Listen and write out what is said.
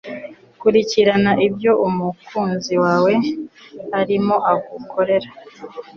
Kurikirana ibyo umukunzi wawe arimo agukorera.